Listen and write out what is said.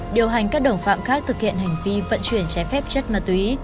điều hành các đồng phạm khác thực hiện hành vi vận chuyển trái phép chất ma túy